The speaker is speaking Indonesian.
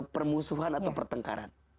permusuhan atau pertengkaran